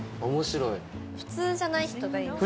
普通じゃない人がいいです。